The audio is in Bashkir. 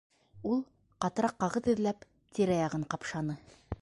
Ул, ҡатыраҡ ҡағыҙ эҙләп, тирә-яғын ҡапшаны.